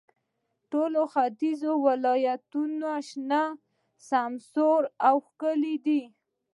ټول ختیځ ولایتونو شنه، سمسور او ښکلي دي.